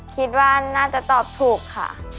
คิดว่าน่าจะตอบถูกค่ะ